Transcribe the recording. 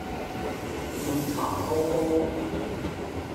綠茶多多